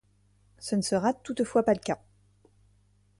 Ce ne sera toutefois pas le cas.